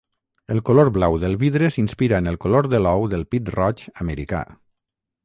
El color blau del vidre s'inspira en el color de l’ou del Pit-roig americà.